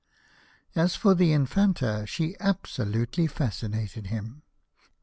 As for the Infanta, she absolutely fascinated him.